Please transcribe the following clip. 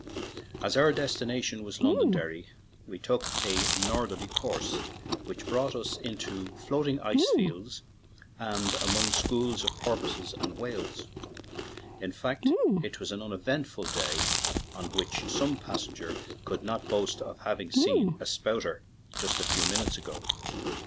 As our destination was Londonderry, we took a northerly course, which brought us into floating ice fields and among schools of porpoises and whales ; in fact, it was an uneventful day on which some passenger ON AN IRISH JAUNTING CAR could not boast of having seen " a spouter, just a few minutes ago!"